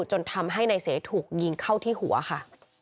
จนทำให้นายเสถูกยิงเข้าที่หัวค่ะ